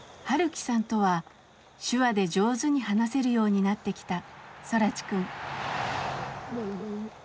晴樹さんとは手話で上手に話せるようになってきた空知くん。